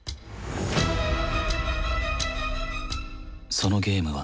そのゲームは。